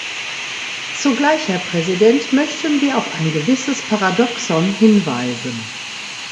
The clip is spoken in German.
Zugleich, Herr Präsident, möchten wir auf ein gewisses Paradoxon hinweisen.